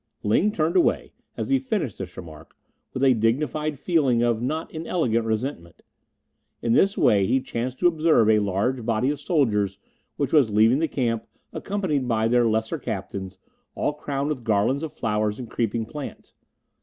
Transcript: Ling turned away, as he finished this remark, with a dignified feeling of not inelegant resentment. In this way he chanced to observe a large body of soldiers which was leaving the camp accompanied by their lesser captains, all crowned with garlands of flowers and creeping plants.